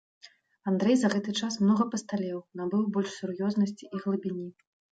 Андрэй за гэты час многа пасталеў, набыў больш сур'ёзнасці і глыбіні.